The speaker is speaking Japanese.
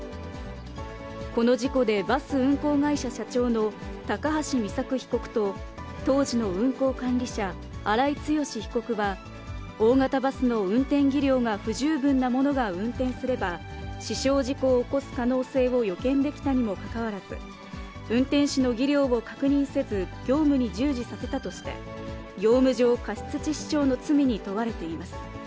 この事故で、バス運行会社社長の高橋美作被告と、当時の運行管理者、荒井強被告は、大型バスの運転技量が不十分な者が運転すれば、死傷事故を起こす可能性を予見できたにもかかわらず、運転手の技量を確認せず、業務に従事させたとして、業務上過失致死傷の罪に問われています。